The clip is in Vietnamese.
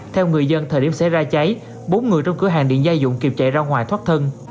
theo người dân thời điểm xảy ra cháy bốn người trong cửa hàng điện gia dụng kịp chạy ra ngoài thoát thân